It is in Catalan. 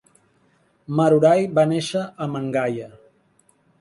Marurai va néixer a Mangaia.